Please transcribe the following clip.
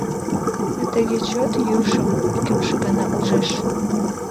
А тыге чот йӱшым икымше гана ужеш.